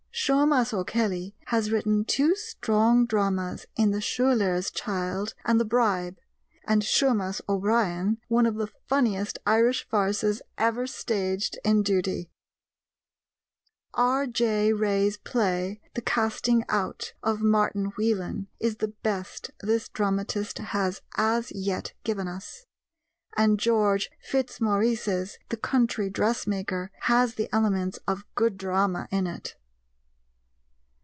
Seumas O'Kelly has written two strong dramas in The Shuiler's Child and The Bribe, and Seumas O'Brien one of the funniest Irish farces ever staged in Duty. R.J. Ray's play, The Casting Out of Martin Whelan, is the best this dramatist has as yet given us, and George Fitzmaurice's The Country Dressmaker has the elements of good drama in it.